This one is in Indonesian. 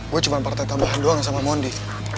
gue cuma partai tambahan doang sama mondi